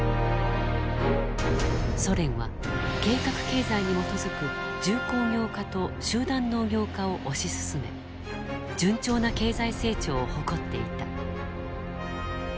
ソ連は計画経済に基づく重工業化と集団農業化を推し進め順調な経済成長を誇っていた。